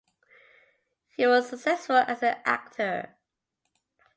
He was successful as an actor.